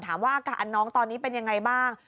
อาการน้องตอนนี้เป็นยังไงบ้าง